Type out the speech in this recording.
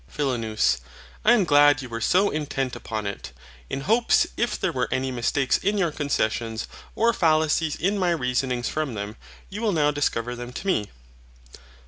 PHILONOUS. I am glad you were so intent upon it, in hopes if there were any mistakes in your concessions, or fallacies in my reasonings from them, you will now discover them to me.